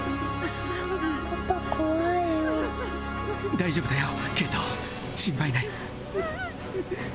大丈夫だよケイト心配ない。